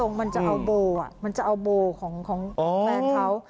ท่องกลัวมันจะเอาโบ่มันจะเอาโบ่ของแฟนเขา